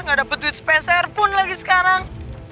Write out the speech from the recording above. gak dapet duit spesial pun lagi sekarang